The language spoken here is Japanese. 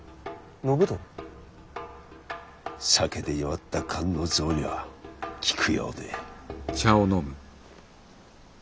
酒で弱った肝の臓には効くようで。